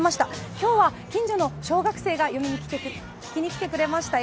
今日は近所の小学生が聞きにきてくれました。